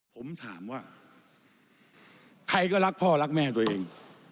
ผมถามว่าใครก็รักพ่อรักแม่ตัวเอง